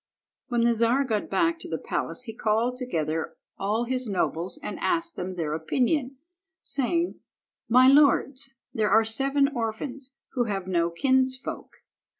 When the Czar got back to the palace he called together all his nobles and asked them their opinion, saying— "My lords, there are seven orphans who have no kinsfolk.